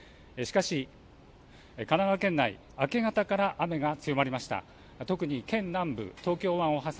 しかし、神奈川県内、明け方から雨が強まりました。